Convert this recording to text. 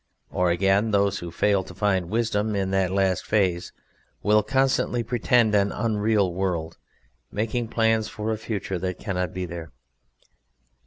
Or, again, those who fail to find wisdom in that last phase will constantly pretend an unreal world, making plans for a future that cannot be there.